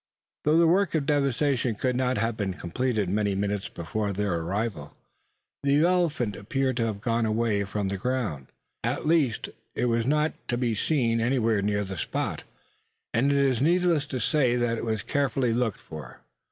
Though the work of devastation could not have been completed many minutes before their arrival, the elephant appeared to have gone away from the ground. At east, it was not to be seen anywhere near the spot; and it is needless to say that it was carefully looked for.